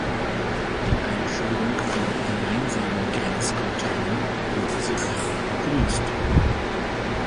Die Einführung von gemeinsamen Grenzkontrollen wird sogar noch begrüßt.